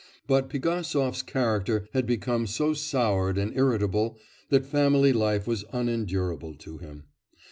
But Pigasov's character had become so soured and irritable that family life was unendurable to him.